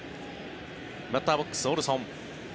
バッターボックス、オルソン。